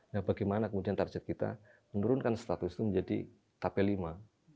nah bagaimana kemudian target kita menurunkan status itu menjadi tape lima